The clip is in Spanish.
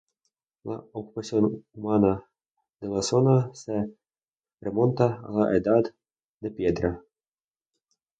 La ocupación humana de la zona se remonta a la Edad de Piedra.